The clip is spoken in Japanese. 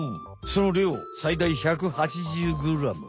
その量最大１８０グラム。